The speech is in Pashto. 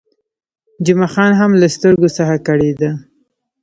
جمعه خان هم له سترګو څخه کړېده.